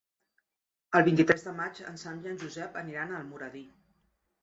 El vint-i-tres de maig en Sam i en Josep aniran a Almoradí.